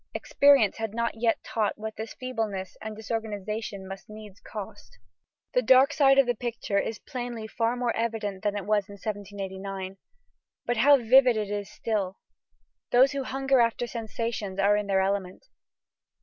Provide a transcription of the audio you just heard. Experience had not yet taught what this feebleness and disorganization must needs cost." The dark side of the picture is plainly far more evident than it was in 1789. But how vivid it is still! Those who hunger after sensations are in their element.